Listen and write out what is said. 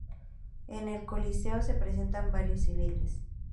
En el coliseo, se presentan varios civiles.